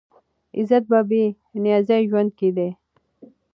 عزت په بې نیازه ژوند کې دی.